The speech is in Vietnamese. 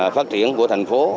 phát triển của thành phố